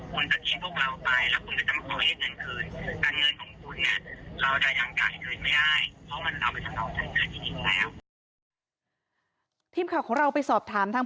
และมีการเก็บเงินรายเดือนจริง